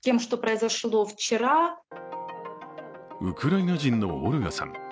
ウクライナ人のオルガさん。